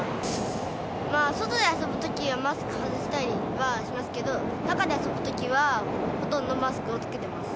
外で遊ぶときはマスク外したりはしますけど、中で遊ぶときはほとんどマスクを着けてます。